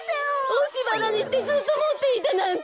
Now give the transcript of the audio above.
おしばなにしてずっともっていたなんて！